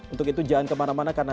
untuk itu jangan kemana mana karena